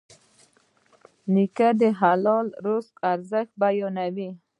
نیکه د حلال رزق ارزښت بیانوي.